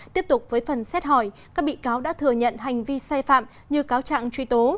tiếp tục với phần xét hỏi các bị cáo đã thừa nhận hành vi sai phạm như cáo trạng truy tố